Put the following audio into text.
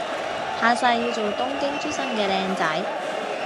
下世要做東京出身嘅靚仔